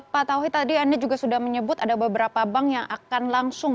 pak tauhid tadi anda juga sudah menyebut ada beberapa bank yang akan langsung